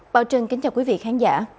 bảo trân kính chào quý vị khán giả